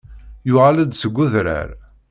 Yuɣal-d seg udrar.